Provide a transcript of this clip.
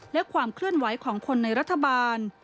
และความเคลื่อนไหวของคนในรัฐบาล